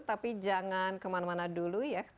tapi jangan kemana mana dulu ya